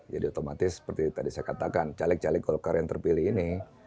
jadi otomatis seperti tadi saya katakan caleg caleg golkar yang terpilih ini